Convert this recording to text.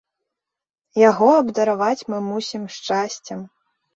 Яго абдараваць мы мусім шчасцем.